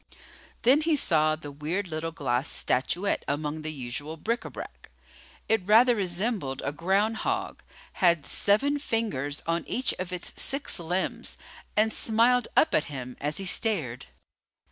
Then he saw the weird little glass statuette among the usual bric a brac. It rather resembled a ground hog, had seven fingers on each of its six limbs, and smiled up at him as he stared.